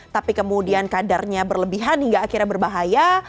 tapi kemudian kadarnya berlebihan hingga akhirnya berbahaya